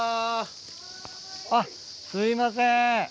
あっすいません